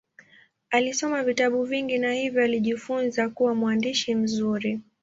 Alisoma vitabu vingi na hivyo alijifunza kuwa mwandishi mzuri.